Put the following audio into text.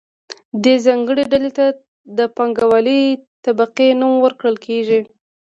دې ځانګړې ډلې ته د پانګوالې طبقې نوم ورکول کیږي.